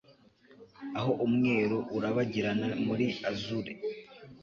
Aho umweru urabagirana muri azure